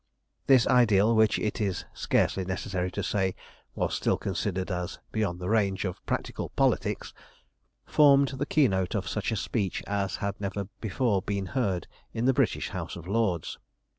This ideal which, it is scarcely necessary to say, was still considered as "beyond the range of practical politics" formed the keynote of such a speech as had never before been heard in the British House of Lords.